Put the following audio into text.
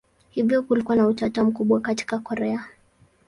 Hivyo kulikuwa na utata mkubwa katika Korea.